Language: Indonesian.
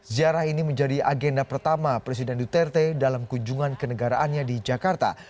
ziarah ini menjadi agenda pertama presiden duterte dalam kunjungan kenegaraannya di jakarta